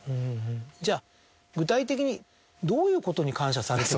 じゃあ具体的にどういうことに感謝されるんですか？